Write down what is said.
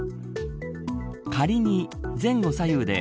仮に前後左右で